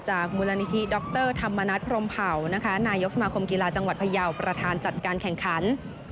มูลนิธิดรธรรมนัฐพรมเผานะคะนายกสมาคมกีฬาจังหวัดพยาวประธานจัดการแข่งขัน